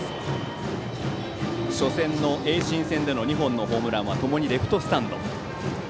初戦の盈進戦での２本のホームランはともにレフトスタンド。